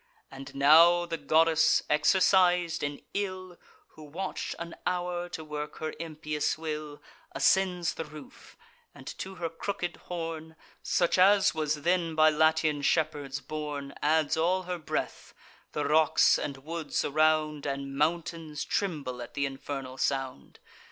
And now the goddess, exercis'd in ill, Who watch'd an hour to work her impious will, Ascends the roof, and to her crooked horn, Such as was then by Latian shepherds borne, Adds all her breath: the rocks and woods around, And mountains, tremble at th' infernal sound.